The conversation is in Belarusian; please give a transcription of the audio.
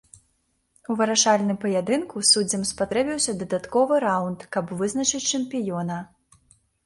У вырашальным паядынку суддзям спатрэбіўся дадатковы раўнд, каб вызначыць чэмпіёна.